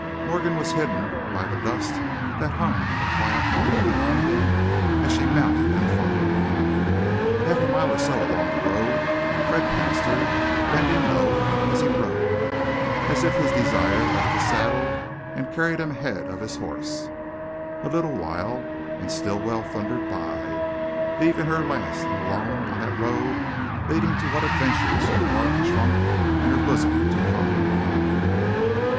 Morgan was hidden by the dust that hung in the quiet morning behind him as she mounted and followed. Half a mile or so along the road, Fred passed her, bending low as he rode, as if his desire left the saddle and carried him ahead of his horse; a little while, and Stilwell thundered by, leaving her last and alone on that road leading to what adventures her heart shrunk in her bosom to contemplate.